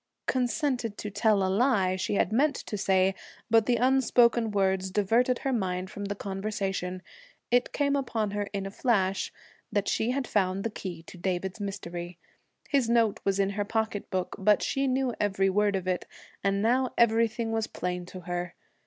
'Consented to tell a lie' she had meant to say, but the unspoken words diverted her mind from the conversation. It came upon her in a flash that she had found the key to David's mystery. His note was in her pocketbook, but she knew every word of it, and now everything was plain to her.